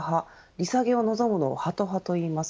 利下げを望むのをハト派といいます。